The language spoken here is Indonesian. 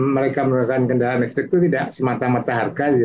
mereka menggunakan kendaraan listrik itu tidak semata mata harga